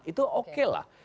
itu oke lah